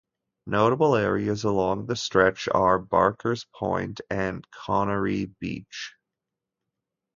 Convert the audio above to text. Notable areas along the stretch are Barker's Point and Conaree Beach.